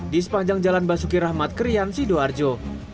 di sepanjang jalan basuki rahmat krian sidoarjo